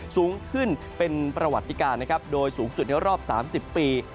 สูงขึ้นเป็นประวัติการนะครับโดยสูงสุดในรอบ๓๐ปี